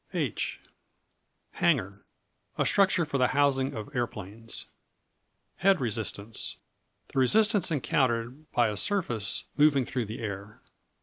H Hangar A structure for the housing of aeroplanes. Head Resistance The resistance encountered by a surface moving through the air.